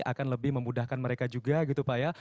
akan lebih memudahkan mereka juga gitu pak ya